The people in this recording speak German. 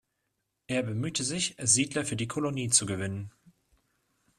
Er bemühte sich, Siedler für die Kolonie zu gewinnen.